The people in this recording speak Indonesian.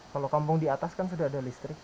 kalau kampung di atas kan sudah ada listrik